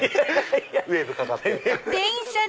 ウエーブかかって。